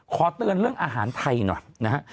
ขอเตือนเรื่องอาหารไทยหน่อยนะฮะ